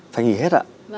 phải nghỉ hết ạ